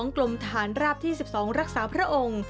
กลมทหารราบที่๑๒รักษาพระองค์